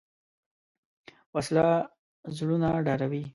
وسله زړونه ډاروي